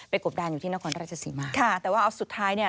กบดานอยู่ที่นครราชสีมาค่ะแต่ว่าเอาสุดท้ายเนี่ย